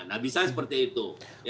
nah bisa seperti itu